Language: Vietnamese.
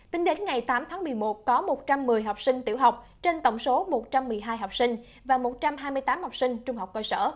tính đến ngày tám tháng một mươi một có một trăm một mươi học sinh tiểu học trên tổng số một trăm một mươi hai học sinh và một trăm hai mươi tám học sinh trung học cơ sở